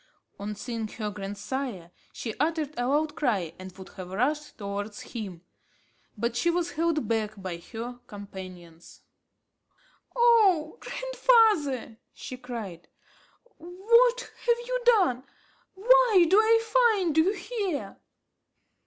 On seeing her grandsire, she uttered a loud cry and would have rushed towards him, but she was held back by her companions. "Oh grandfather!" she cried, "what have you done? why do I find you here?"